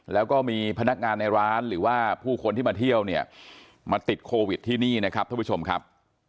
แล้วก็มีพนักงานในร้านหรือว่าผู้คนที่มาเที่ยวเนี่ยมาติดโควิดที่นี่นะครับท่านผู้ชมครับ